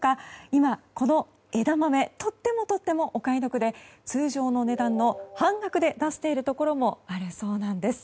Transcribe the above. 今、この枝豆とってもとってもお買い得で通常の値段の半額で出しているところもあるそうです。